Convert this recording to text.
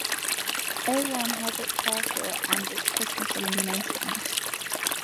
Awan has its castle and its Christmas illuminations.